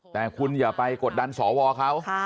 แต่คุณอย่าไปกดดันสวเขา